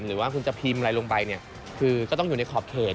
หรือว่าคุณจะพิมพ์อะไรลงไปเนี่ยคือก็ต้องอยู่ในขอบเขต